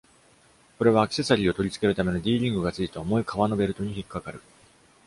これは、アクセサリーを取り付けるための D リングが付いた重い革のベルトに引っ掛かる。